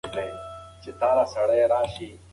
آسماني ډبرې په فضا کې د کثافاتو په څېر نه دي.